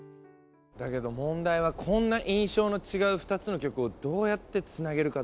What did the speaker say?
だけど問題はこんな印象の違う２つの曲をどうやってつなげるかだよな。